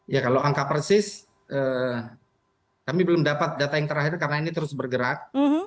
ya kalau angka persis kami belum dapat data yang terakhir karena ini terus bergerak